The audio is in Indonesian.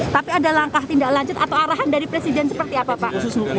tapi ada langkah tindak lanjut atau arahan dari presiden seperti apa pak khususnya